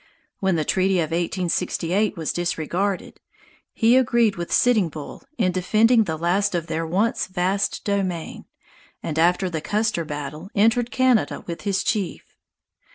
When the treaty of 1868 was disregarded, he agreed with Sitting Bull in defending the last of their once vast domain, and after the Custer battle entered Canada with his chief.